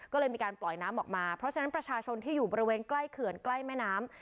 ก็เลยมีการปล่อยน้ำออกมาเพราะฉะนั้นประชาชนที่อยู่บริเวณใกล้เขื่อนใกล้แม่น้ำ